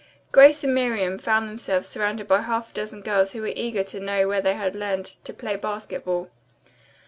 Grace and Miriam found themselves surrounded by half a dozen girls who were eager to know where they had learned to play basketball.